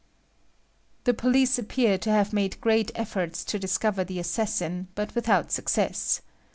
The police appear to have made great efforts to discover the assassin, but without success.